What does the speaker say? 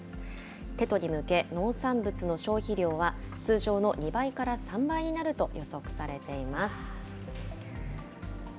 テトに向け、農産物の消費量は、通常の２倍から３倍になると予測されています。